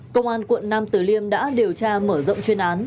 công an quận nam tử liêm đã điều tra mở rộng chuyên án